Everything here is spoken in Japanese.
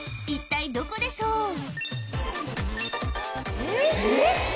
一体どこでしょう？